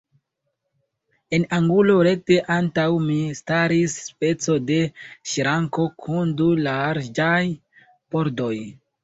En angulo rekte antaŭ mi staris speco de ŝranko kun du larĝaj pordoj.